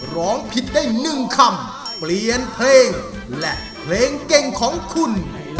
ร้องผิดได้๑คำเปลี่ยนเพลงและเพลงเก่งของคุณ